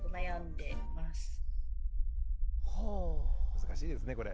難しいですねこれ。